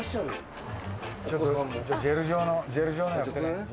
ジェル状のジェル状のやってね。